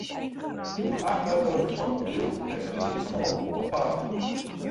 Goed acht meiwurkers fan it bedriuw binne tiisdeitemoarn op paad gien.